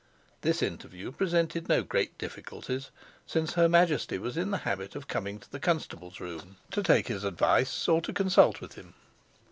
This interview presented no great difficulties, since her Majesty was in the habit of coming to the constable's room to take his advice or to consult with him.